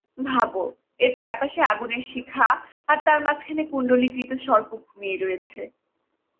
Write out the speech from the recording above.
ভাবো, এর চারপাশে আগুনের শিখা, আর তার মাঝখানে কুণ্ডলীকৃত সর্প ঘুমিয়ে রয়েছে।